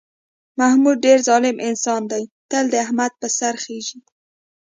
محمود ډېر ظالم انسان دی، تل د احمد په سر خېژي.